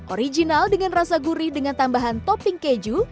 original dengan rasa gurih dengan tambahan topping keju